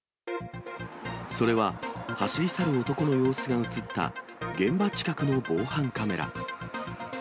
それは、走り去る男の様子が写った現場近くの防犯カメラ。